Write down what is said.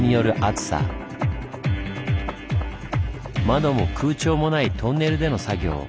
窓も空調もないトンネルでの作業。